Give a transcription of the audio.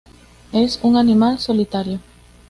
Es un animal solitario.